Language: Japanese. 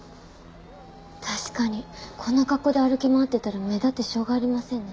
確かにこんな格好で歩き回ってたら目立ってしょうがありませんね。